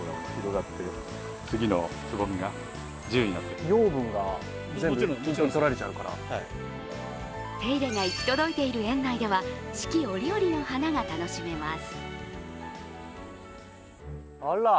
大変ですね、この量。手入れが行き届いている園内では四季折々の花が楽しめます。